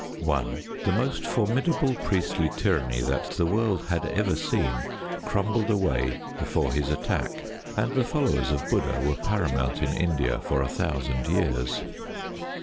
The most formidable priestly tyranny that the world had ever seen crumbled away before his attack, and the followers of Buddha were paramount in India for a thousand years.